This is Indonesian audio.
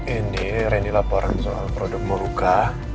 ini ren di lapor soal produk mau luka